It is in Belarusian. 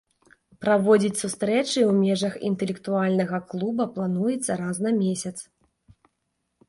Праводзіць сустрэчы ў межах інтэлектуальнага клуба плануецца раз на месяц.